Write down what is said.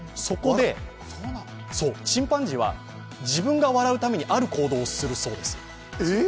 そこでチンパンジーは自分が笑うためにある行動をするそうです。